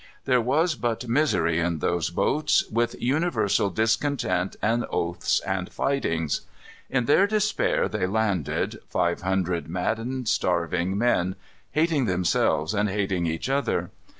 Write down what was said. There was but misery in those boats, with universal discontent and oaths and fightings. In their despair they landed, five hundred maddened, starving men, hating themselves and hating each other.